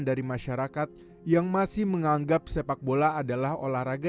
dari masyarakat yang masih menganggap sepak bola adalah olahraga